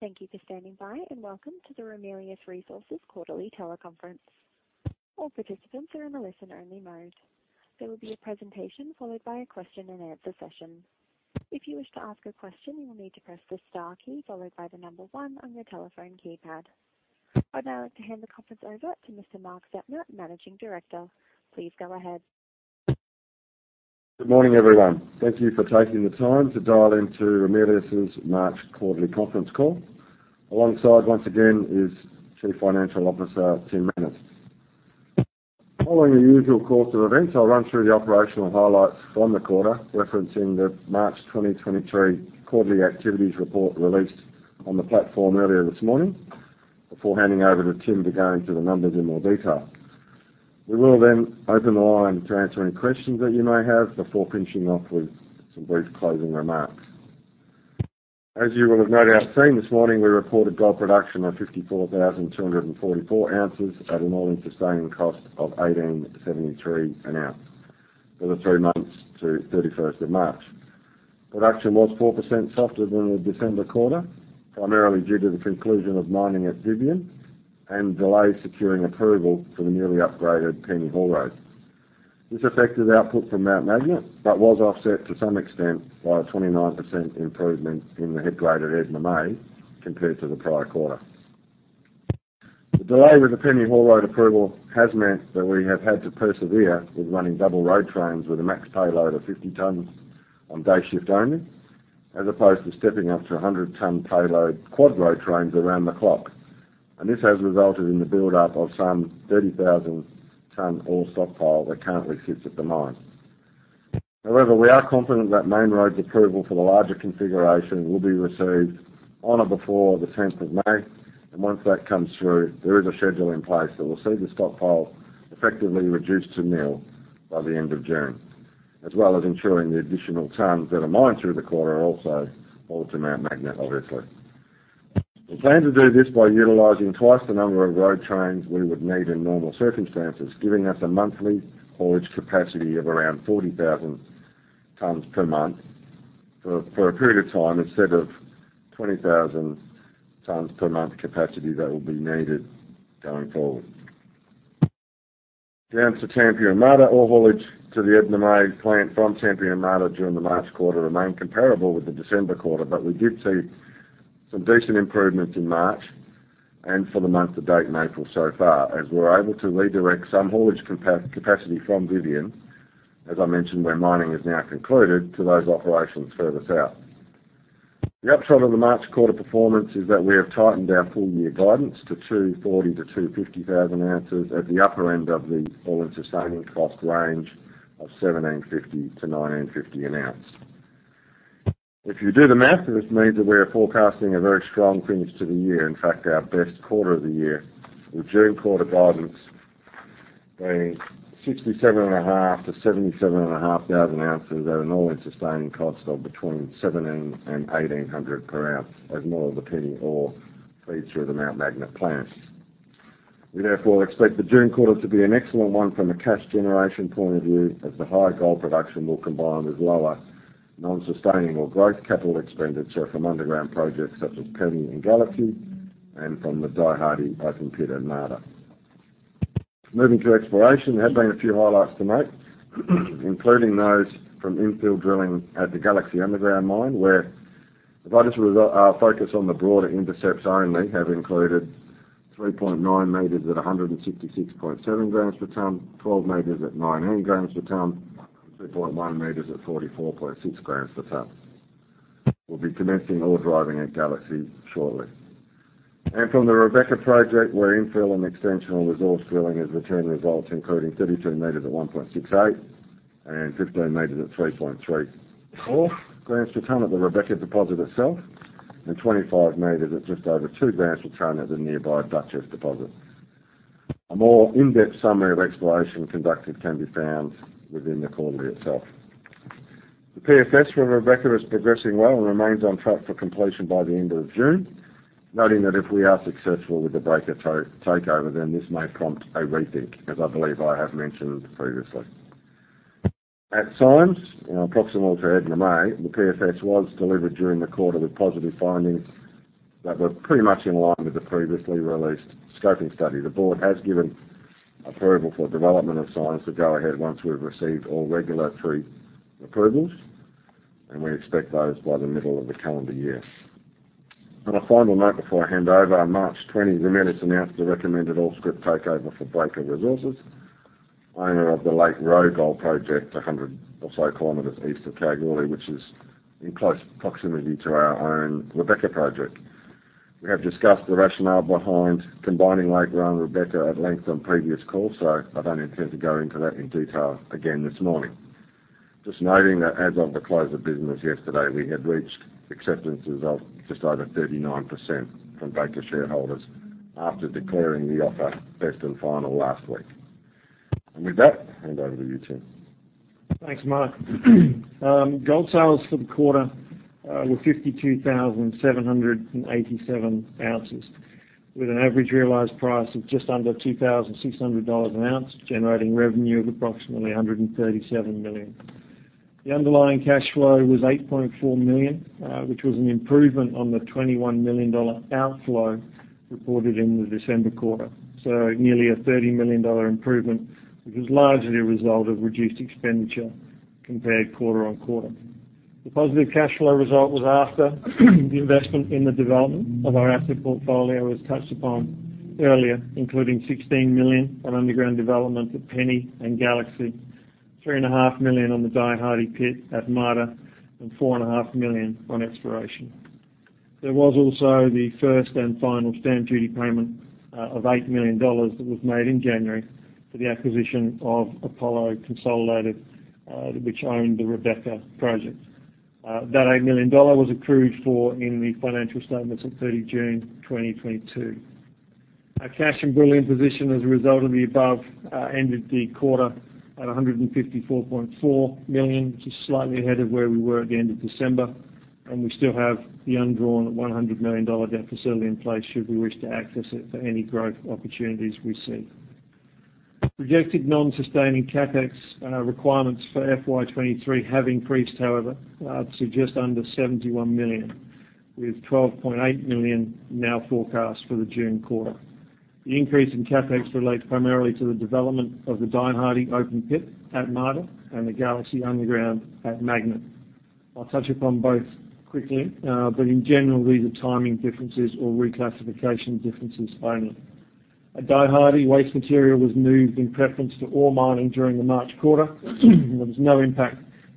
Thank you for standing by, and welcome to the Ramelius Resources quarterly teleconference. All participants are in a listen-only mode. There will be a presentation followed by a question-and-answer session. If you wish to ask a question, you will need to press the star key followed by the number one on your telephone keypad. I'd now like to hand the conference over to Mr. Mark Zeptner, Managing Director. Please go ahead. Good morning, everyone. Thank you for taking the time to dial into Ramelius's March quarterly conference call. Alongside once again is Chief Financial Officer, Tim Manners. Following the usual course of events, I'll run through the operational highlights from the quarter, referencing the March 2023 quarterly activities report released on the platform earlier this morning, before handing over to Tim to go into the numbers in more detail. We will then open the line to answer any questions that you may have before finishing off with some brief closing remarks. As you will have no doubt seen this morning, we reported gold production of 54,244oz at an all-in sustaining cost of 1,873 an Oz for the three months to 31st of March. Production was 4% softer than the December quarter, primarily due to the conclusion of mining at Vivian and delays securing approval for the newly upgraded Penny haul road. This affected output from Mount Magnet, but was offset to some extent by a 29% improvement in the head grade at Edna May compared to the prior quarter. The delay with the Penny haul road approval has meant that we have had to persevere with running double road trains with a max payload of 50 tons on day shift only, as opposed to stepping up to a 100-ton payload quad road trains around the clock. This has resulted in the buildup of some 30,000 ton ore stockpile that currently sits at the mine. However, we are confident that Main Roads' approval for the larger configuration will be received on or before the 10th of May. Once that comes through, there is a schedule in place that will see the stockpile effectively reduced to nil by the end of June, as well as ensuring the additional tons that are mined through the quarter are also hauled to Mount Magnet, obviously. We plan to do this by utilizing twice the number of road trains we would need in normal circumstances, giving us a monthly haulage capacity of around 40,000 tons per month for a period of time, instead of 20,000 tons per month capacity that will be needed going forward. Down to Tampia and Marda, all haulage to the Edna May plant from Tampia and Marda during the March quarter remained comparable with the December quarter, but we did see some decent improvements in March and for the month of date in April so far, as we're able to redirect some haulage capacity from Kevin, as I mentioned, where mining is now concluded to those operations further south. The upshot of the March quarter performance is that we have tightened our full year guidance to 240,000-250,000oz at the upper end of the all-in sustaining cost range of AUD 1,750-AUD 1,950 an oz. If you do the math, this means that we are forecasting a very strong finish to the year. Our best quarter of the year, with June quarter guidance being 67,500-77,500oz at an all-in sustaining cost of between 700-1,800 per oz as more of the Penny ore feeds through the Mt Magnet plant. We therefore expect the June quarter to be an excellent one from a cash generation point of view, as the higher gold production will combine with lower non-sustaining or growth capital expenditure from underground projects such as Kevin and Galaxy and from the Die Hardy open pit at Marda. Moving to exploration, there have been a few highlights to note, including those from infill drilling at the Galaxy underground mine, where if I just focus on the broader intercepts only, have included 3.9 meters at 166.7 grams per ton, 12 meters at 9 grams per ton, and 2.1 meters at 44.6 grams per ton. We'll be commencing ore driving at Galaxy shortly. From the Rebecca project, where infill and extensional resource drilling has returned results including 32 meters at 1.68 and 15 meters at 3.4 grams per ton at the Rebecca deposit itself, and 25 meters at just over 2 grams per ton at the nearby Duchess deposit. A more in-depth summary of exploration conducted can be found within the quarterly itself. The PFS for Rebecca is progressing well and remains on track for completion by the end of June. Noting that if we are successful with the Breaker takeover, this may prompt a rethink, as I believe I have mentioned previously. At Symes, approximately to Edna May, the PFS was delivered during the quarter with positive findings that were pretty much in line with the previously released scoping study. The board has given approval for development of Symes to go ahead once we've received all regulatory approvals, and we expect those by the middle of the calendar year. On a final note, before I hand over, on 20 March, Ramelius announced the recommended all-scrip takeover for Breaker Resources, owner of the Lake Roe gold project, 100 or so km east of Kalgoorlie, which is in close proximity to our own Rebecca project. We have discussed the rationale behind combining Lake Roe and Rebecca at length on previous calls, so I don't intend to go into that in detail again this morning. Just noting that as of the close of business yesterday, we had reached acceptances of just over 39% from Breaker shareholders after declaring the offer best and final last week. With that, I'll hand over to you, Tim. Thanks, Mark. Gold sales for the quarter were 52,787oz, with an average realized price of just under $2,600 an oz, generating revenue of approximately 137 million. The underlying cash flow was 8.4 million, which was an improvement on the 21 million dollar outflow reported in the December quarter. Nearly a 30 million dollar improvement, which was largely a result of reduced expenditure compared quarter-on-quarter. The positive cash flow result was after the investment in the development of our asset portfolio as touched upon earlier, including 16 million on underground development at Penny and Galaxy, three and a half million on the Die Hardy pit at Marda, and four and a half million on exploration. There was also the first and final stamp duty payment of 8 million dollars that was made in January for the acquisition of Apollo Consolidated, which owned the Rebecca project. That 8 million dollar was accrued for in the financial statements of 30 June 2022. Our cash and billing position as a result of the above ended the quarter at 154.4 million, which is slightly ahead of where we were at the end of December. We still have the undrawn 100 million dollar debt facility in place should we wish to access it for any growth opportunities we see. Projected non-sustaining CapEx requirements for FY 2023 have increased, however, to just under 71 million, with 12.8 million now forecast for the June quarter. The increase in CapEx relates primarily to the development of the Die Hardy open pit at Marda and the Galaxy underground at Magnet. I'll touch upon both quickly, in general, these are timing differences or reclassification differences only. At Die Hardy, waste material was moved in preference to ore mining during the March quarter. There was no impact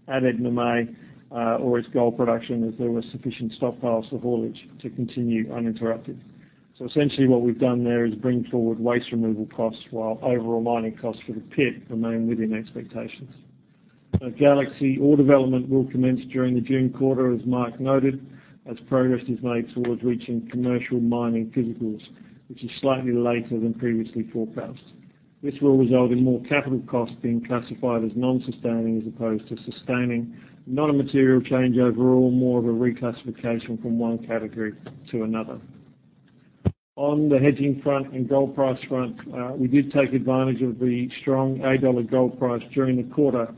at Nguma, or its gold production as there was sufficient stockpiles for haulage to continue uninterrupted. Essentially what we've done there is bring forward waste removal costs while overall mining costs for the pit remain within expectations. At Galaxy, ore development will commence during the June quarter, as Mark noted, as progress is made towards reaching commercial mining physicals, which is slightly later than previously forecast. This will result in more capital costs being classified as non-sustaining as opposed to sustaining. Not a material change overall, more of a reclassification from one category to another. On the hedging front and gold price front, we did take advantage of the strong eight dollar gold price during the quarter,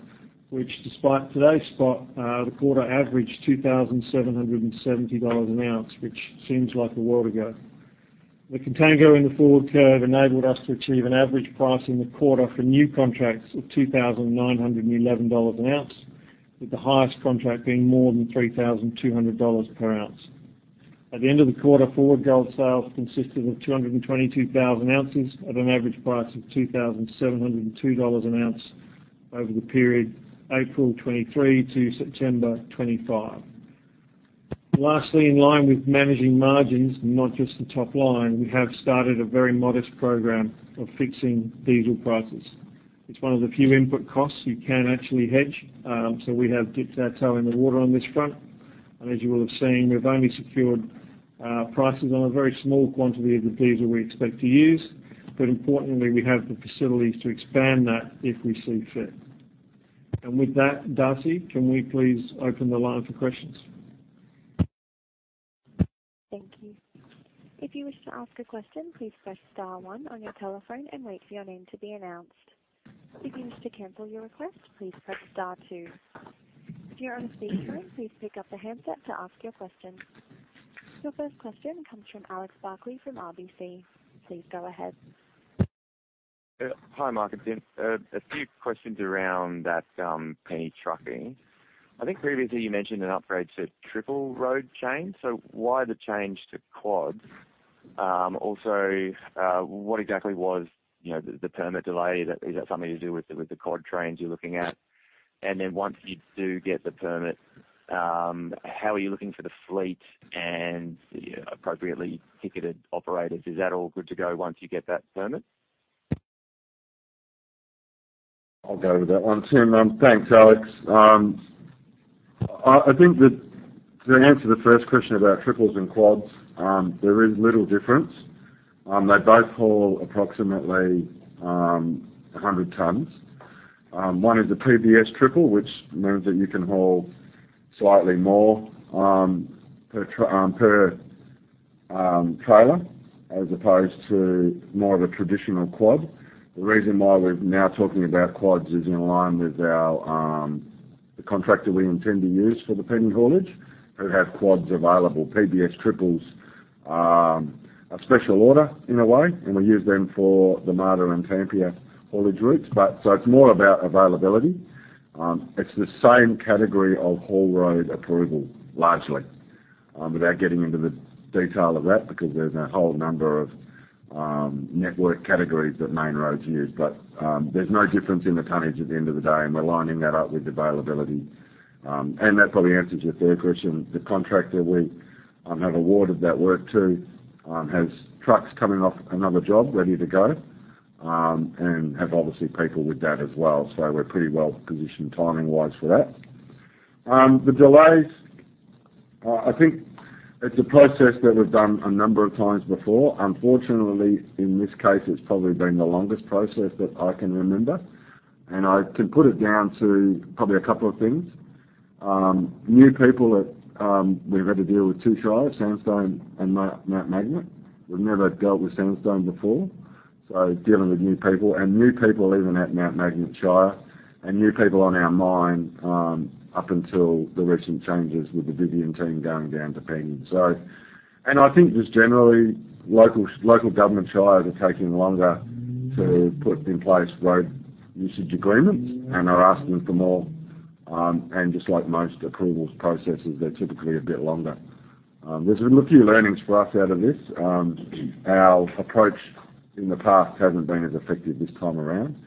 which despite today's spot, the quarter averaged $2,770 an oz, which seems like a world ago. The contango in the forward curve enabled us to achieve an average price in the quarter for new contracts of $2,911 an oz, with the highest contract being more than $3,200 per oz. At the end of the quarter, forward gold sales consisted of 222,000oz at an average price of $2,702 an oz over the period April 2023 to September 2025. Lastly, in line with managing margins, not just the top line, we have started a very modest program of fixing diesel prices. It's one of the few input costs you can actually hedge, so we have dipped our toe in the water on this front. As you will have seen, we've only secured prices on a very small quantity of the diesel we expect to use. Importantly, we have the facilities to expand that if we see fit. With that, Darcy, can we please open the line for questions? Thank you. If you wish to ask a question, please press star one on your telephone and wait for your name to be announced. If you wish to cancel your request, please press star two. If you're on speaker, please pick up the handset to ask your question. Your first question comes from Alex Barkley from RBC. Please go ahead. Hi, Mark and Tim. A few questions around that Penny trucking. I think previously you mentioned an upgrade to triple road chains. Why the change to quads? Also, what exactly was, you know, the permit delay? Is that something to do with the quad trains you're looking at? Once you do get the permit, how are you looking for the fleet and the appropriately ticketed operators? Is that all good to go once you get that permit? I'll go with that one, Tim. Thanks, Alex. I think that to answer the first question about triples and quads, there is little difference. They both haul approximately 100 tons. One is a PBS triple, which means that you can haul slightly more per trailer, as opposed to more of a traditional quad. The reason why we're now talking about quads is in line with our, the contractor we intend to use for the Penny haulage, who have quads available. PBS triples are a special order in a way, and we use them for the Marda and Tampia haulage routes. So it's more about availability. It's the same category of haul road approval, largely, without getting into the detail of that because there's a whole number of network categories that Main Roads use. There's no difference in the tonnage at the end of the day, and we're lining that up with availability. That probably answers your third question. The contractor we have awarded that work to has trucks coming off another job ready to go and have obviously people with that as well. We're pretty well positioned timing-wise for that. The delays, I think it's a process that we've done a number of times before. Unfortunately, in this case, it's probably been the longest process that I can remember, and I can put it down to probably a couple of things. New people that we've had to deal with two shires, Sandstone and Mount Magnet. We've never dealt with Sandstone before, dealing with new people and new people even at Mount Magnet Shire and new people on our mine, up until the recent changes with the Vivian team going down to Penny. I think just generally, local government shires are taking longer to put in place road usage agreements and are asking for more. Just like most approvals processes, they're typically a bit longer. There's been a few learnings for us out of this. Our approach in the past hasn't been as effective this time around.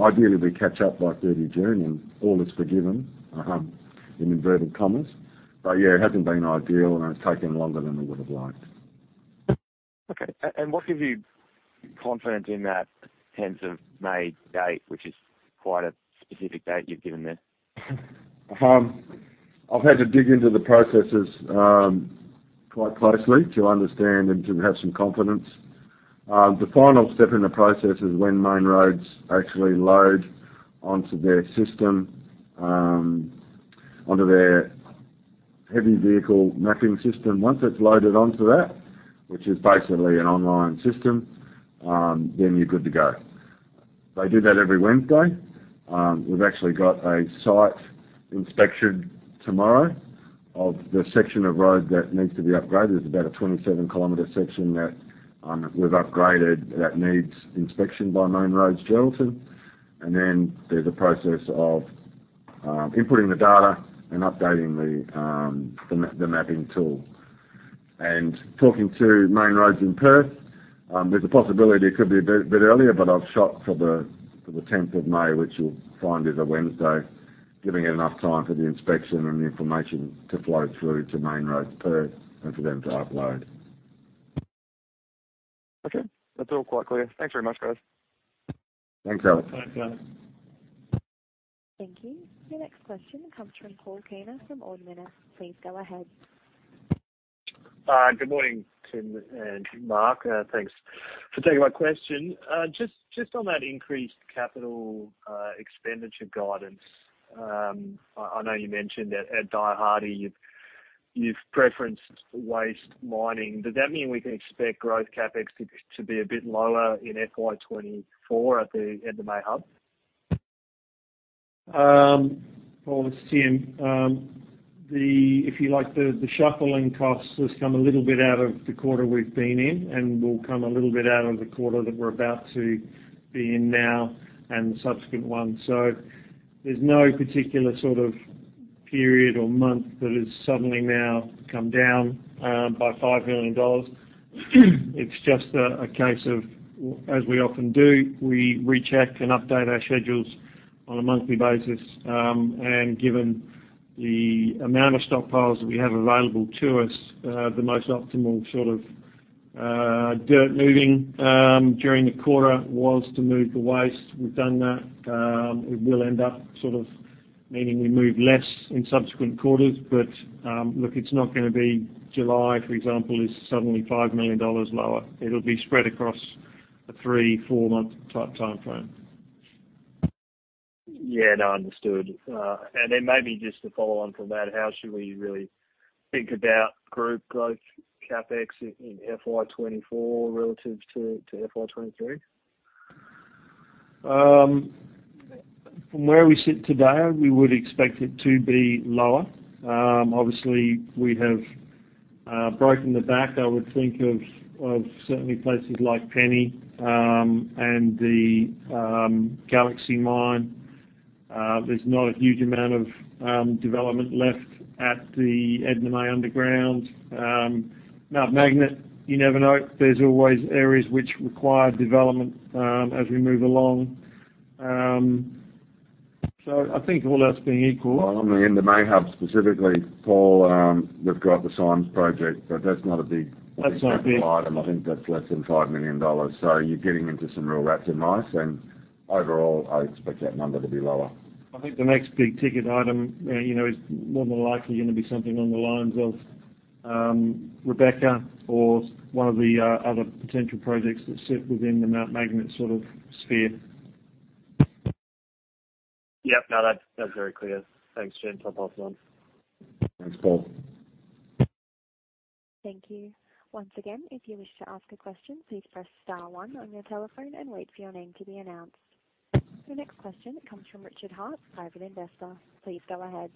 Ideally, we catch up by June 30, and all is forgiven, in inverted commas. Yeah, it hasn't been ideal, and it's taken longer than we would have liked. Okay. What gives you confidence in that tenth of May date, which is quite a specific date you've given there? I've had to dig into the processes quite closely to understand and to have some confidence. The final step in the process is when Main Roads actually load onto their system onto their heavy vehicle mapping system. Once it's loaded onto that, which is basically an online system, you're good to go. They do that every Wednesday. We've actually got a site inspection tomorrow of the section of road that needs to be upgraded. There's about a 27 km section that we've upgraded that needs inspection by Main Roads Geraldton. There's a process of inputting the data and updating the mapping tool. Talking to Main Roads in Perth, there's a possibility it could be a bit earlier. I've shot for the tenth of May, which you'll find is a Wednesday, giving it enough time for the inspection and the information to flow through to Main Roads Perth and for them to upload. Okay. That's all quite clear. Thanks very much, guys. Thanks, Alex. Thanks, Alex. Thank you. Your next question comes from Paul Kaner from Ord Minnett. Please go ahead. Good morning, Tim and Mark. Thanks for taking my question. Just on that increased capital expenditure guidance. I know you mentioned that at Die Hardy, you've preferenced waste mining. Does that mean we can expect growth CapEx to be a bit lower in FY 2024 at the Edna May Hub? Paul, it's Tim. If you like, the shuffling costs has come a little bit out of the quarter we've been in and will come a little bit out of the quarter that we're about to be in now and the subsequent ones. There's no particular sort of period or month that has suddenly now come down by 5 million dollars. It's just a case of, as we often do, we recheck and update our schedules on a monthly basis. Given the amount of stockpiles we have available to us, the most optimal sort of dirt moving during the quarter was to move the waste. We've done that. It will end up sort of meaning we move less in subsequent quarters. Look, it's not gonna be July, for example, is suddenly 5 million dollars lower. It'll be spread across a three, four month type timeframe. Yeah. No. Understood. Maybe just to follow on from that, how should we really think about group growth CapEx in FY 2024 relative to FY 2023? From where we sit today, we would expect it to be lower. Obviously we have broken the back, I would think of certainly places like Penny, and the Galaxy mine. There's not a huge amount of development left at the Edna May Underground. Mount Magnet, you never know. There's always areas which require development, as we move along. I think all else being equal On the Edna May Hub specifically, Paul, we've got the Symes project, but that's not a. That's not big. big capital item. I think that's less than 5 million dollars. You're getting into some real rats and mice. Overall, I expect that number to be lower. I think the next big-ticket item, you know, is more than likely gonna be something along the lines of Rebecca or one of the other potential projects that sit within the Mount Magnet sort of sphere. Yep. No, that's very clear. Thanks, gents. I'll pass on. Thanks, Paul. Thank you. Once again, if you wish to ask a question, please press star one on your telephone and wait for your name to be announced. Your next question comes from Richard Hart, Private investor. Please go ahead.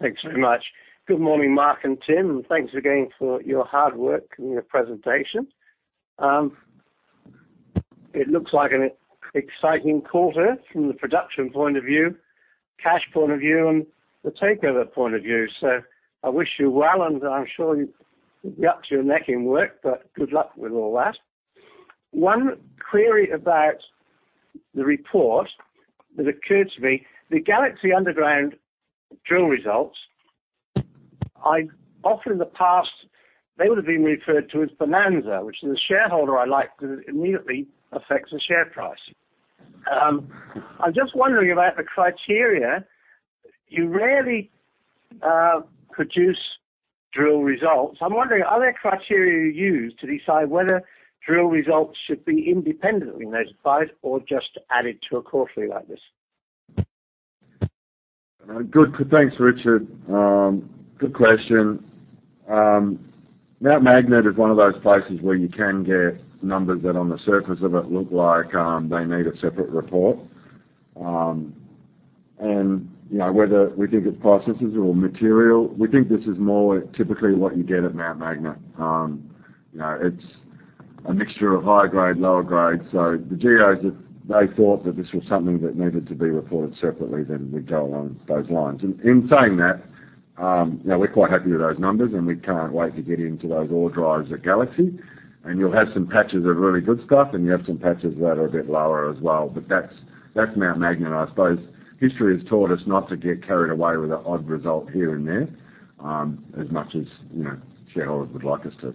Thanks very much. Good morning, Mark and Tim. Thanks again for your hard work and your presentation. It looks like an exciting quarter from the production point of view, cash point of view, and the takeover point of view. I wish you well. I'm sure you'll be up to your neck in work, but good luck with all that. One query about the report that occurred to me, the Galaxy underground drill results, Often in the past, they would have been referred to as bonanza, which as a shareholder I like because it immediately affects the share price. I'm just wondering about the criteria. You rarely produce drill results. I'm wondering, are there criteria you use to decide whether drill results should be independently notified or just added to a quarterly like this? Good. Thanks, Richard. Good question. Mt Magnet is one of those places where you can get numbers that on the surface of it look like they need a separate report. You know, whether we think it's processes or material, we think this is more typically what you get at Mt Magnet. You know, it's a mixture of high grade, lower grade. The GOs thought that this was something that needed to be reported separately Then we'd go along those lines. In saying that, you know, we're quite happy with those numbers, and we can't wait to get into those ore drives at Galaxy. You'll have some patches of really good stuff, and you have some patches that are a bit lower as well. That's Mt Magnet. I suppose history has taught us not to get carried away with an odd result here and there, as much as, you know, shareholders would like us to.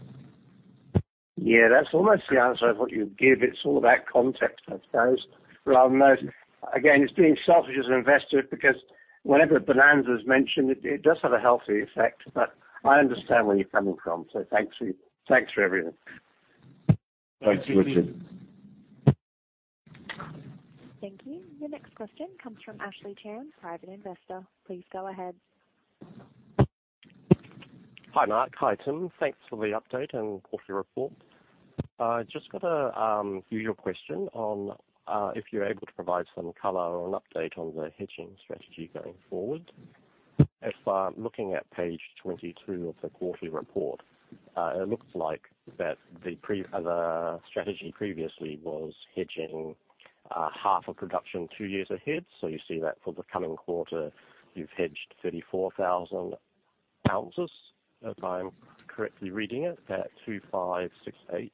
That's almost the answer I thought you'd give. It's all about context, I suppose, rather than those. Again, it's being selfish as an investor because whenever bonanza is mentioned, it does have a healthy effect. I understand where you're coming from, so thanks for everything. Thanks, Richard. Thank you. Your next question comes from Ashley Chan, private investor. Please go ahead. Hi, Mark. Hi, Tim. Thanks for the update and quarterly report. I just got a usual question on if you're able to provide some color or an update on the hedging strategy going forward. If I'm looking at page 22 of the quarterly report, it looks like that the strategy previously was hedging half of production two years ahead. You see that for the coming quarter, you've hedged 34,000oz, if I'm correctly reading it, at $2,568.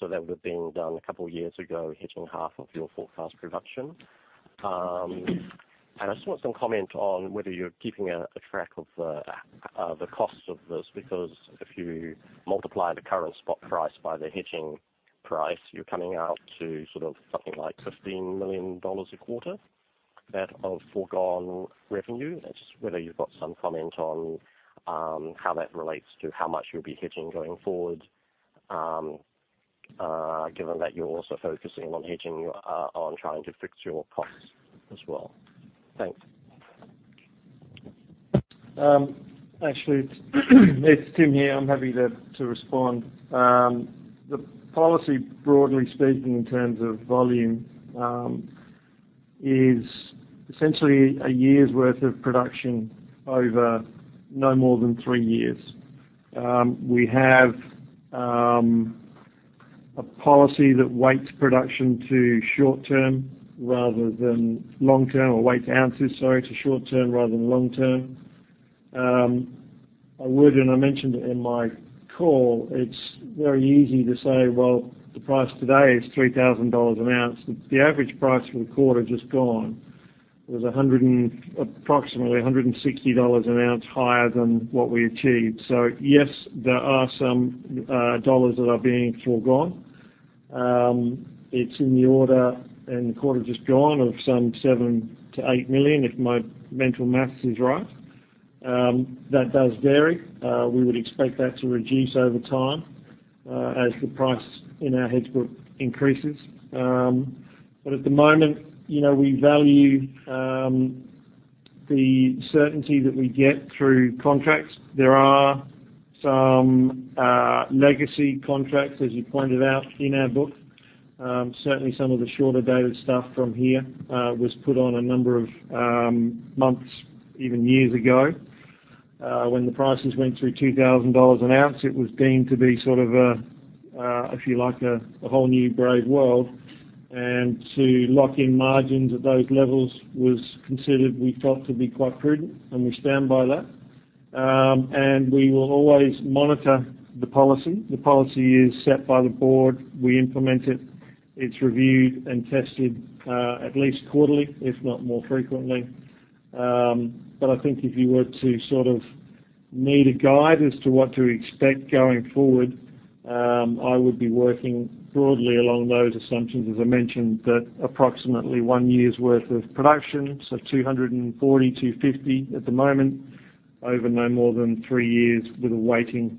That would have been done a couple of years ago, hedging half of your forecast production. I just want some comment on whether you're keeping a track of the cost of this. If you multiply the current spot price by the hedging price, you're coming out to something like $15 million a quarter. That of foregone revenue. Whether you've got some comment on how that relates to how much you'll be hedging going forward, given that you're also focusing on hedging your on trying to fix your costs as well. Thanks? Actually, it's Tim here. I'm happy to respond. The policy, broadly speaking, in terms of volume, is essentially a year's worth of production over no more than three years. We have a policy that weights production to short term rather than long term, or weights oz, sorry, to short term rather than long term. I would, and I mentioned it in my call, it's very easy to say, well, the price today is $3,000 an oz. The average price for the quarter just gone was approximately $160 an oz higher than what we achieved. Yes, there are some dollars that are being foregone. It's in the order in the quarter just gone of some 7 million-8 million, if my mental maths is right. That does vary. We would expect that to reduce over time as the price in our hedge book increases. At the moment, you know, we value the certainty that we get through contracts. There are some legacy contracts, as you pointed out, in our book. Certainly some of the shorter-dated stuff from here was put on a number of months, even years ago. When the prices went through $2,000 an oz, it was deemed to be sort of a, if you like, a whole new brave world. To lock in margins at those levels was considered, we felt, to be quite prudent, and we stand by that. We will always monitor the policy. The policy is set by the board. We implement it. It's reviewed and tested at least quarterly, if not more frequently. I think if you were to sort of need a guide as to what to expect going forward, I would be working broadly along those assumptions. As I mentioned, that approximately one year worth of production, so 240, 250 at the moment, over no more than three years, with a weighting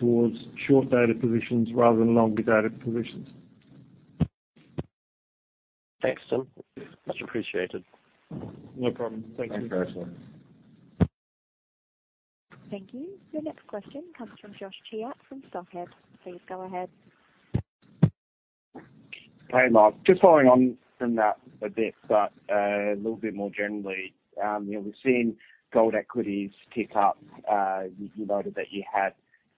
towards short-dated positions rather than longer-dated positions. Thanks, Tim. Much appreciated. No problem. Thank you. Thanks, Ashley. Thank you. Your next question comes from Josh Chiat from Stockhead. Please go ahead. Hey, Mark. Just following on from that a bit, a little bit more generally, you know, we've seen gold equities tick up. You noted that you had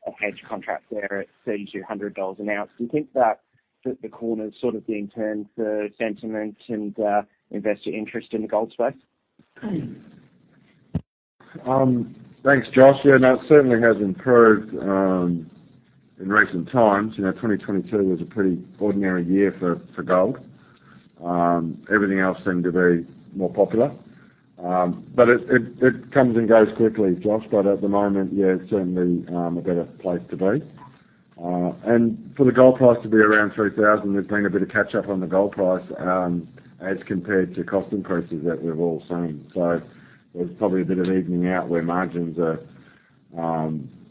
a hedge contract there at $3,200 an oz. Do you think that the corner is sort of being turned for sentiment and investor interest in the gold space? Thanks, Josh. Yeah, no, it certainly has improved in recent times. You know, 2022 was a pretty ordinary year for gold. Everything else seemed to be more popular. It comes and goes quickly, Josh. At the moment, yeah, it's certainly a better place to be. For the gold price to be around $3,000, there's been a bit of catch-up on the gold price as compared to cost increases that we've all seen. There's probably a bit of evening out where margins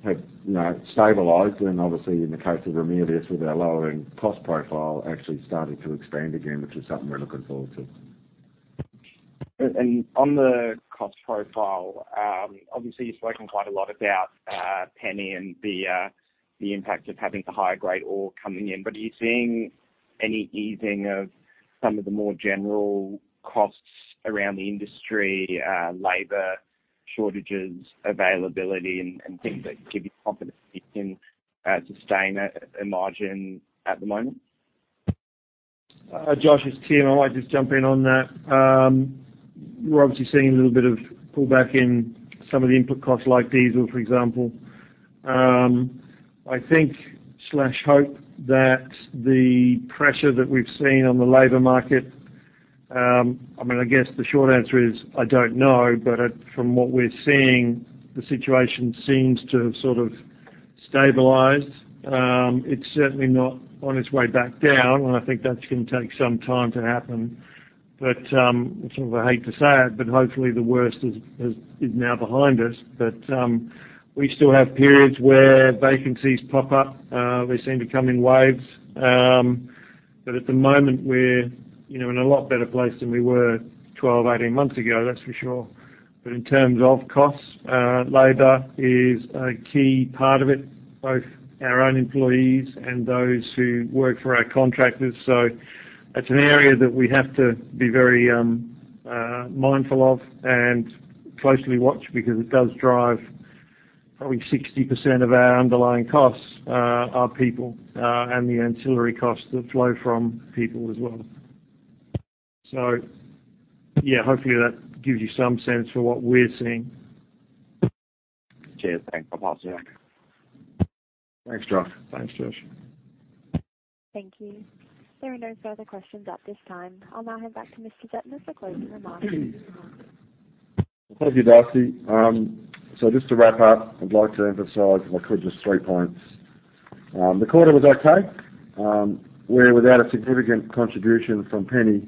are, have, you know, stabilized. Obviously in the case of Ramelius, with our lower end cost profile actually starting to expand again, which is something we're looking forward to. On the cost profile, obviously you've spoken quite a lot about Penny and the impact of having the higher grade ore coming in, but are you seeing any easing of some of the more general costs around the industry, labor shortages, availability, and things that give you confidence you can sustain a margin at the moment? Josh, it's Tim. I might just jump in on that. We're obviously seeing a little bit of pullback in some of the input costs like diesel, for example. I think slash hope that the pressure that we've seen on the labor market, I mean, I guess the short answer is I don't know, but from what we're seeing, the situation seems to have sort of stabilized. It's certainly not on its way back down, I think that's gonna take some time to happen. Sort of I hate to say it, but hopefully the worst is now behind us. We still have periods where vacancies pop up. They seem to come in waves. At the moment we're, you know, in a lot better place than we were 12, 18 months ago, that's for sure. In terms of costs, labor is a key part of it, both our own employees and those who work for our contractors. It's an area that we have to be very mindful of and closely watch because it does drive probably 60% of our underlying costs are people and the ancillary costs that flow from people as well. Yeah, hopefully that gives you some sense for what we're seeing. Cheers. Thanks. I'll pass it back. Thanks, Josh. Thanks, Josh. Thank you. There are no further questions at this time. I'll now hand back to Mr. Zeptner for closing remarks. Thank you, Darcy. Just to wrap up, I'd like to emphasize if I could just three points. The quarter was okay. Without a significant contribution from Penny,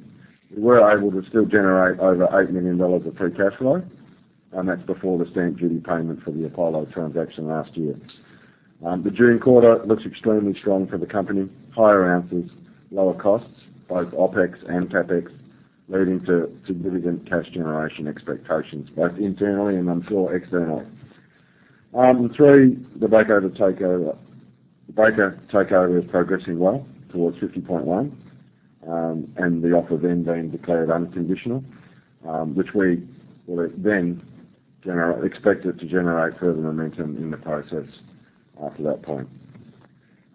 we were able to still generate over 8 million dollars of free cash flow, and that's before the stamp duty payment for the Apollo transaction last year. The June quarter looks extremely strong for the company. Higher oz, lower costs, both OpEx and CapEx, leading to significant cash generation expectations, both internally and I'm sure externally. Three, the Breaker of takeover. The Breaker takeover is progressing well towards 50.1%, and the offer then being declared unconditional, which we will expect it to generate further momentum in the process after that point.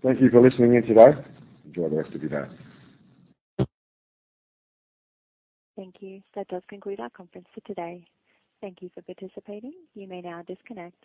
Thank you for listening in today. Enjoy the rest of your day. Thank you. That does conclude our conference for today. Thank you for participating. You may now disconnect.